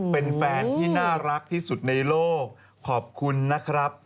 เป็นแฟนที่น่ารักที่สุดในโลกขอบคุณนะครับ